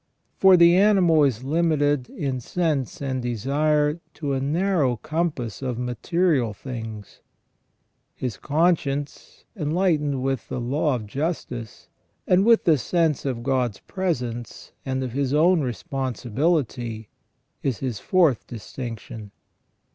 For the animal is limited in sense and desire to a narrow compass of material things. His conscience, enlightened with the law of justice, and with the sense of God's presence, and of his own responsibility, is his fourth distinction.